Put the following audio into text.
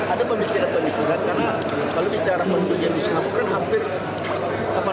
ada pemikiran pemikiran karena kalau bicara perjudian di singapura kan hampir delapan puluh persen